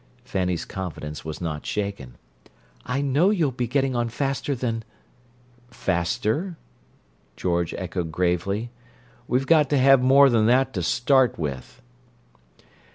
Fanny's confidence was not shaken. "I know you'll be getting on faster than—" "Faster?" George echoed gravely. "We've got to have more than that to start with."